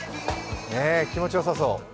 気持ちよさそう。